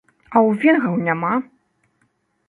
А ў венграў няма!